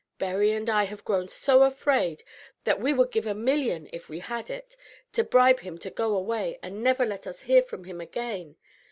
Berry and I have grown so afraid that we would give a million, if we had it, to bribe him to go away and never let us hear from him again.